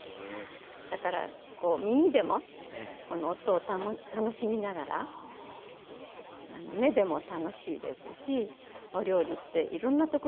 だからこう耳でもこの音を楽しみながら目でも楽しいですしお料理っていろんなところで楽しめますよね。